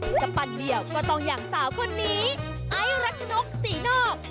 จะปั่นเดียวก็ต้องอย่างสาวคนนี้ไอ้รัชนกศรีนอก